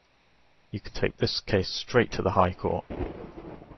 You can take this case straight to the High Court.